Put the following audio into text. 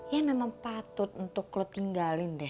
ya memang patut untuk lo tinggalin deh